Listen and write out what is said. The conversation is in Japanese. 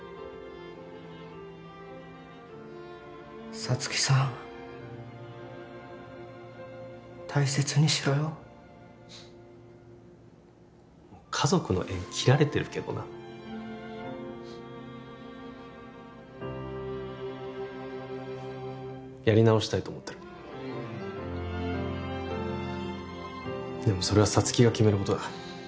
沙月さん大切にしろよ家族の縁切られてるけどなやり直したいと思ってるでもそれは沙月が決めることだ